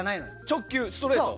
直球、ストレート。